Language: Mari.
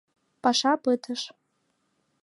— Паша пытыш!..